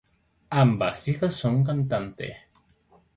Ambas hijas son cantantes.